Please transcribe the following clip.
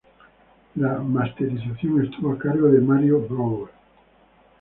La masterización estuvo a cargo de Mario Breuer.